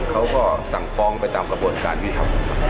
เขาก็สั่งฟองไปตามประบวนการวิจัยคุณคุณ